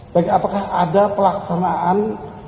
baik apakah ada pelaksanaan